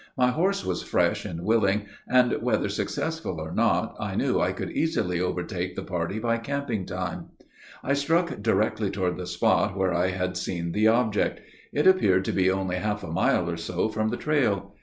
My horse was fresh and willing; and, whether successful or not, I knew I could easily overtake the party by camping time. I struck directly toward the spot where I had seen the object. It appeared to be only half a mile or so from the trail.